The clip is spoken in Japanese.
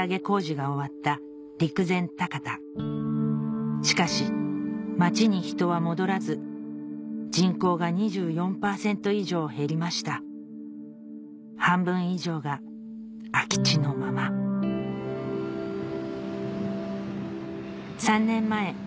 工事が終わった陸前高田しかし町に人は戻らず人口が２４％以上減りました半分以上が空き地のまま３年前